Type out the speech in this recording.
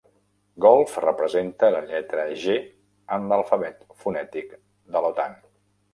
Golf representa la lletra "g" en l'alfabet fonètic de l'OTAN.